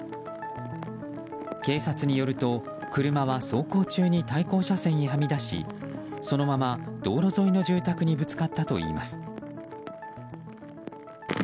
警察によると、車は走行中に対向車線へは見出しそのまま道路沿いの住宅にぶつかったといいます。